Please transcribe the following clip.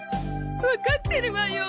わかってるわよ。